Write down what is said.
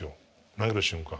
投げる瞬間。